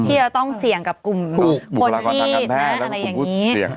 ที่จะต้องเสี่ยงกับกลุ่มคนที่นะอะไรอย่างนี้